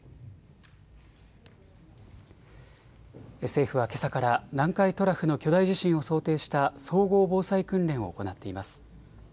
政府はけさから南海トラフの巨大地震を想定した総合防災訓練を行っています。